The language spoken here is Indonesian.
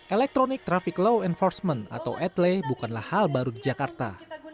electronic traffic law enforcement atau etle bukanlah hal baru di jakarta